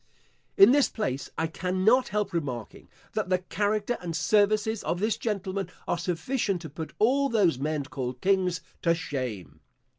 In this place I cannot help remarking, that the character and services of this gentleman are sufficient to put all those men called kings to shame.